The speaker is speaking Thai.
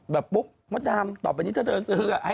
แบบปุ๊บมัตตามต่อไปนี้ถ้าเธอซื้อ